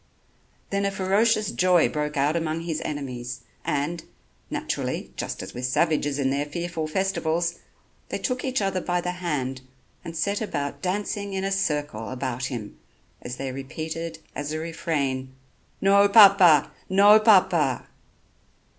Then a ferocious joy broke out among his enemies, and, naturally, just as with savages in their fearful festivals, they took each other by the hand and set about dancing in a circle about him as they repeated as a refrain: "No Papa! No Papa!"